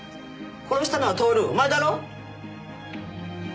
殺したのは享お前だろ？